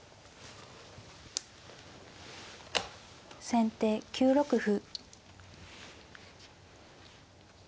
先手９六歩。